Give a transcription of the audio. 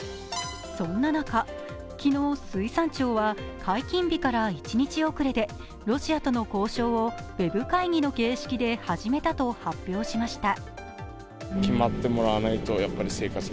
そんな中、昨日、水産庁は解禁日から一日遅れでロシアとの交渉をウェブ会議の形式で始めたと発表しました。